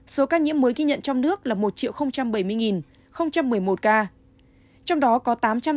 số ca nhiễm mới ghi nhận trong nước là một bảy mươi một mươi một ca